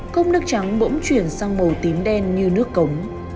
cốc nước trắng bỗng chuyển sang màu tím đen như nước cống